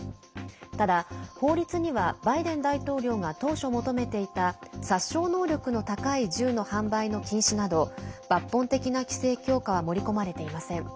ただ法律にはバイデン大統領が当初、求めていた殺傷能力の高い銃の販売の禁止など抜本的な規制強化は盛り込まれていません。